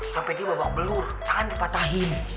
sampai dia babak belur tangan dipatahin